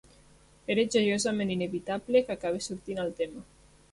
Era joiosament inevitable que acabés sortint el tema.